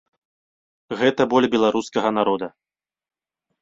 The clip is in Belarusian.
Гэта боль беларускага народа.